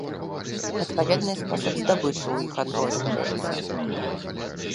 Адпаведна і спосаб здабычы ў іх адрозніваецца.